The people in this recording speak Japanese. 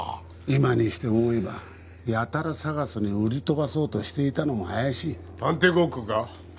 今にして思えばやたらＳＡＧＡＳに売り飛ばそうとしていたのも怪しい探偵ごっこか？